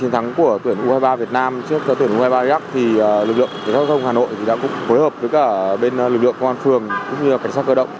trước tuyến u hai mươi ba việt nam lực lượng công an tp hà nội đã phối hợp với lực lượng công an tp hà nội và cảnh sát cơ động